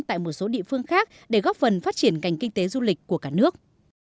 tại một số địa phương khác để góp phần phát triển ngành kinh tế du lịch của cả nước